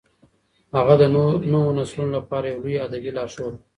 هغه د نوو نسلونو لپاره یو لوی ادبي لارښود دی.